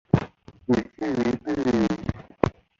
住下来吧